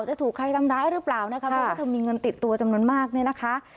จะถูกใครทำร้ายหรือเปล่านะคะเพราะว่าเธอมีเงินติดตัวจำนวนมากเนี่ยนะคะ